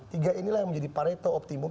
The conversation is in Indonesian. tiga inilah yang menjadi parito optimum